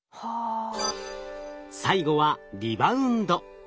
最後はリバウンド。